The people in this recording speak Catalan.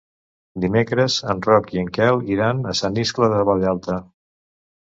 Dimecres en Roc i en Quel iran a Sant Iscle de Vallalta.